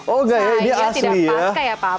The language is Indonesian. oh enggak ya dia asli ya